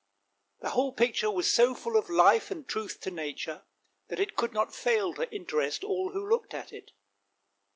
The whole picture was so full of life and truth to nature that it could not fail to interest all who looked at it.